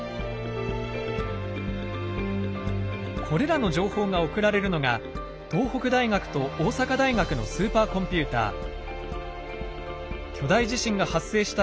これらの情報が送られるのが東北大学と大阪大学のスーパーコンピューター。